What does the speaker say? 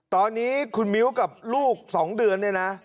ตอนนี้คุณมิ้วกับลูก๒เดือนเนี่ยนะ